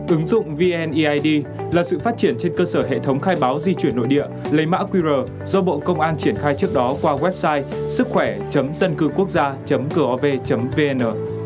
ứng dụng vneid là sự phát triển trên cơ sở hệ thống khai báo di chuyển nội địa lấy mã qr do bộ công an triển khai trước đó qua website sứckhoẻ dâncưquốcgia gov vn